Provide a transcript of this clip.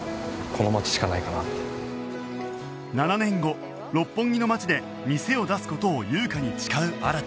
７年後六本木の街で店を出す事を優香に誓う新